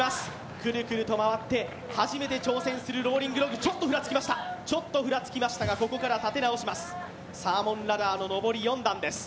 くるくると回って、初めて挑戦するローリングログ、ちょっとふらつきましたが、ここから立て直します、サーモンラダーの上り４段です。